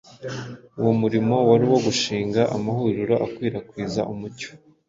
uwo murimo wari uwo gushinga amahuriro akwirakwiza umucyo